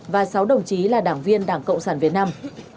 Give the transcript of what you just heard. và sáu đồng chí là đảng viên đảng cộng sản việt nam